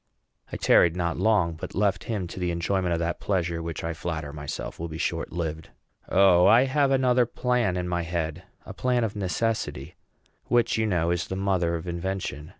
I tarried not long, but left him to the enjoyment of that pleasure which I flatter myself will be but shortlived. O, I have another plan in my head a plan of necessity, which, you know, is the mother of invention.